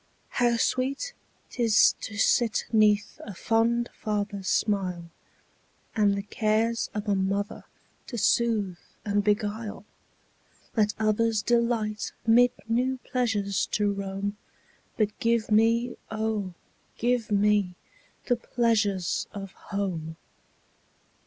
How sweet 't is to sit 'neath a fond father's smile, And the cares of a mother to soothe and beguile! Let others delight mid new pleasures to roam, But give me, oh, give me, the pleasures of home! Home!